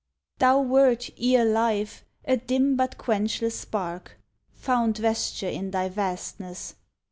Thou wert ere Life, a dim but quenchless spark. Found vesture in thy vastness.